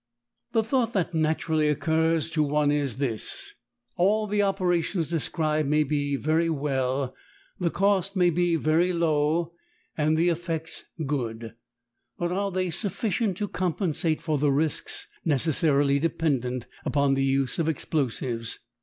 The thought that naturally occurs to one is this. All the operations described may be very well, the cost may be low, and the effect good, but are they sufficient to compensate for the risks necessarily dependent upon the use of explosives?